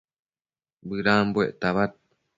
bëdambuec tabad